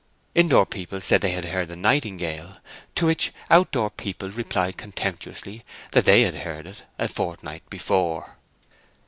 In door people said they had heard the nightingale, to which out door people replied contemptuously that they had heard him a fortnight before.